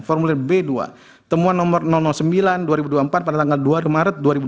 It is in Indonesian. formulir b dua temuan nomor sembilan dua ribu dua puluh empat pada tanggal dua maret dua ribu dua puluh